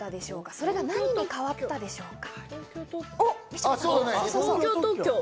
それが何に変わったでしょうか？